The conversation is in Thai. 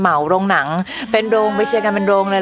เห่าโรงหนังเป็นโรงไปเชียร์กันเป็นโรงเลย